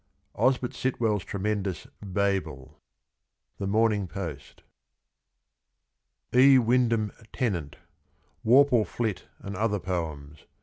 Osbert Sitwell's tremendous "Babel." — TheMomingPost. 99 E. Wyndham Tennant. WORPLE FLIT AND OTHER POEMS.